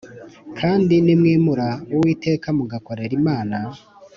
Kandi Nimwim Ra Uwiteka Mugakorera Imana